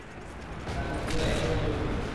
তার সাথে ছিল এক লাখ সৈন্য।